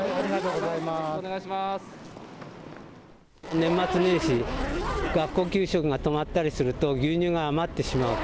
年末年始、学校給食が止まったりすると牛乳が余ってしまうと。